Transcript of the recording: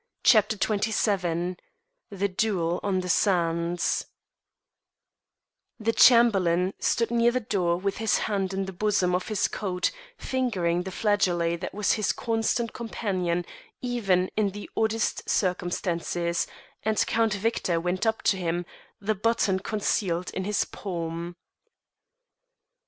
CHAPTER XXVII THE DUEL ON THE SANDS The Chamberlain stood near the door with his hand in the bosom of his coat, fingering the flageolet that was his constant companion even in the oddest circumstances, and Count Victor went up to him, the button concealed in his palm.